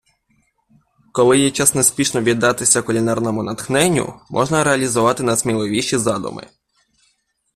Коли є час неспішно віддатися кулінарному натхненню, можна реалізувати найсміливіші задуми.